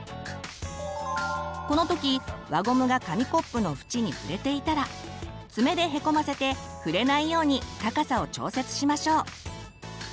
この時輪ゴムが紙コップの縁に触れていたら爪でへこませて触れないように高さを調節しましょう。